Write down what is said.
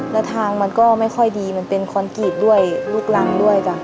และทางมันก็ไม่ค่อยดีมันเป็นคอนกรีตด้วยลูกรังด้วยจ้ะ